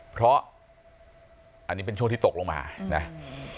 เพราะอันนี้เป็นช่วงที่ตกลงมานะ